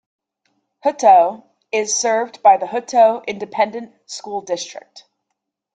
Hutto is served by the Hutto Independent School District.